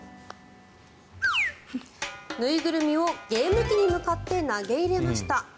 縫いぐるみをゲーム機に向かって投げ入れました。